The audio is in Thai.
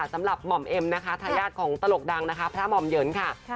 สำหรับหม่อมเอ็มนะคะทะญาติของตะหรกดังนะคะพระหม่อมเหยื้อค่ะ